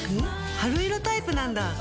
春色タイプなんだ。